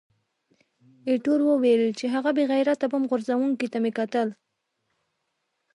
ایټور وویل چې، هغه بې غیرته بم غورځوونکي ته مې کتل.